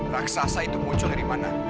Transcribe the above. raksasa itu muncul dari mana